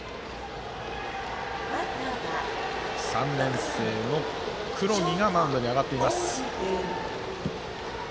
３年生の黒木がマウンドに上がっています。